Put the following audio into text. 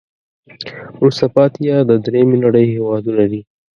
وروسته پاتې یا د دریمې نړی هېوادونه دي.